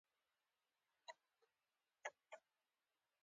د ملي وحدت د تامین او د یو سیاسي ځواک په توګه